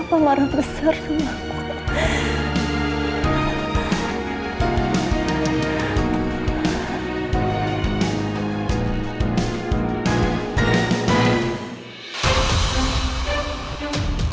papa marah besar sama aku